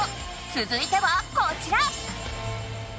つづいてはこちら！